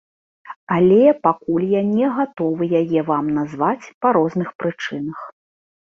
Але пакуль я не гатовы яе вам назваць па розных прычынах.